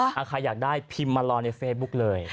ถ้าใครอยากได้พิมพ์มารอในเฟซบุ๊กเลย